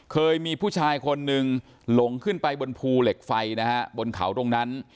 เคยมีผู้ชายคนหนึ่งหลงขึ้นไปบนภูเหล็กไฟนะฮะบนเขาตรงนั้น